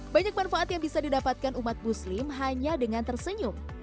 banyak manfaat yang bisa didapatkan umat muslim hanya dengan tersenyum